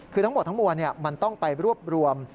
คือทั้งหมดทั้งมวลมันต้องไปรวบรวม